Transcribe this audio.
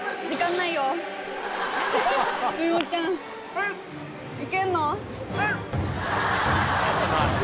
はい。